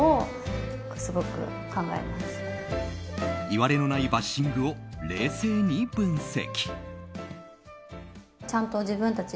いわれのないバッシングを冷静に分析。